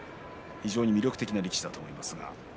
非常に魅力的な力士だと思いますが。